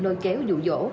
lôi kéo dụ dỗ